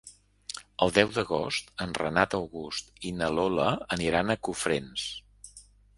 El deu d'agost en Renat August i na Lola aniran a Cofrents.